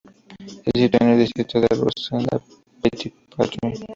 Se sitúa en el distrito de Rosemont–La Petite-Patrie.